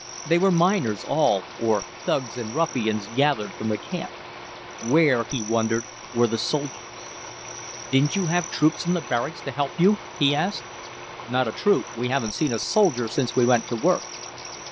They were miners all, or thugs and ruffians gathered from the camp. Where, he wondered, were the soldiers. "Didn't you have troops from the barracks to help you?" he asked. "Not a troop. We haven't seen a soldier since we went to work."